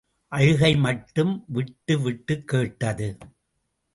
அழுகை மட்டும் விட்டு விட்டுக் கேட்டது.